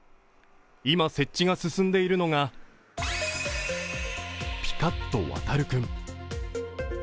今、設置が進んでいるのがぴかっとわたるくん。